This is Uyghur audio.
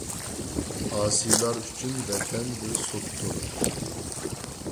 ئاسىيلار ئۈچۈن ۋەتەن بىر سوتتۇر.